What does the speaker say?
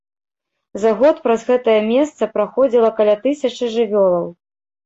За год праз гэтае месца праходзіла каля тысячы жывёлаў.